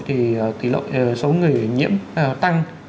thì số người nhiễm tăng